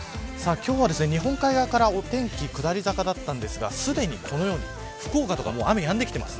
今日は日本海側からお天気下り坂だったんですがすでにこのように福岡とか雨やんできています。